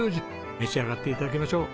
召し上がって頂きましょう。